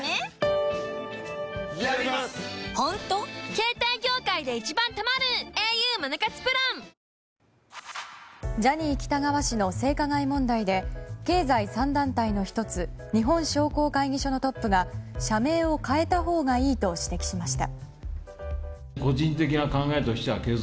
経済団体のトップがジャニーズ事務所の対応についてジャニー喜多川氏の性加害問題で経済３団体の１つ日本商工会議所のトップが社名を変えたほうがいいと指摘しました。